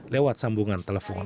lewat sambungan telepon